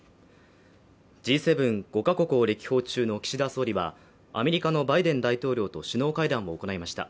Ｇ７・５か国を歴訪中の岸田総理はアメリカのバイデン大統領と首脳会談を行いました